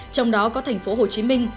trong đó có tp hcm